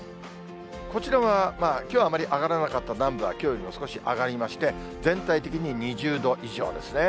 こちらは、きょうはあまり上がらなかった南部はきょうよりも少し上がりまして、全体的に２０度以上ですね。